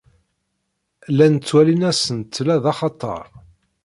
Llan ttwalin asentel-a d axatar.